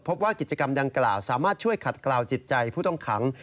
พบว่ากิจกรรมดังกล่าวสามารถช่วยขัดกล่าวจิตใจผู้ต้องขัง